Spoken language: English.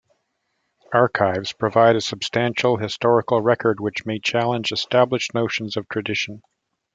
Archives provide a substantial historical record which may challenge established notions of tradition.